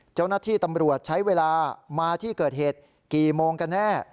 เจ้าหน้าที่ตำรวจใช้เวลามาที่เกิดเหตุกี่โมงกันแน่